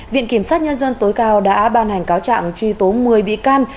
viện kiểm sát nhân dân tối cao đã ban hành cáo trạng truy tố một mươi bị can